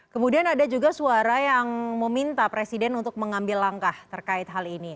kemudian ada juga suara yang meminta presiden untuk mengambil langkah terkait hal ini